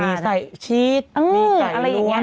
ของนี้ใส่ชีสมีไก่ล้วน